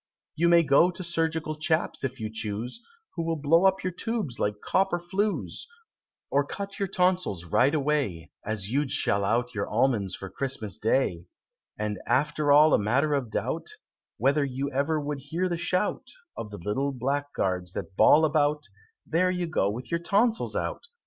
"You may go to surgical chaps if you choose, Who will blow up your tubes like copper flues, Or cut your tonsils right away, As you'd shell out your almonds for Christmas day; And after all a matter of doubt, Whether you ever would hear the shout: Of the little blackguards that bawl about, 'There you go with your tonsils out!'